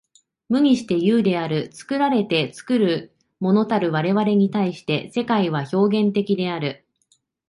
無にして有である。作られて作るものたる我々に対して、世界は表現的である。